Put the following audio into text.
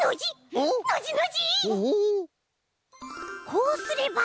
こうすれば。